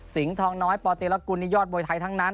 สิงห์ทองน้อยปอตรีรกุณยอดมวยไทยทั้งนั้น